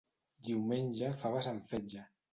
Diumenge, faves amb fetge.